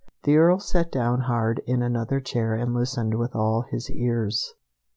The Earl sat down hard in another chair and listened with all his ears.